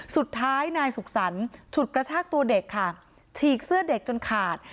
สุดท้ายนายสุขสรรค์ฉุดกระชากตัวเด็กค่ะฉีกเสื้อเด็กจนขาด